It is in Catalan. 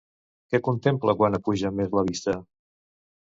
Què contempla quan apuja més la vista?